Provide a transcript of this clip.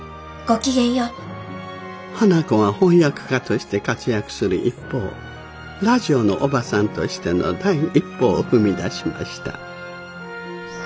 花子は翻訳家として活躍する一方ラジオのおばさんとしての第一歩を踏み出しました。